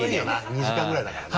２時間ぐらいだからな。